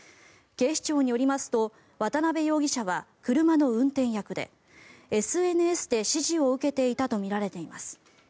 警視庁によりますと渡辺容疑者は車の運転役でＳＮＳで指示を受けていたとみられています。